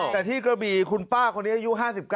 แต่ที่กระบี่คุณป้าคนนี้อายุ๕๙